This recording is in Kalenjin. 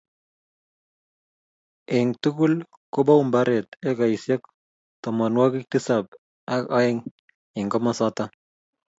eng tugul kobou mbaret ekaisiek tomonwokik tisab ak aeng eng komosato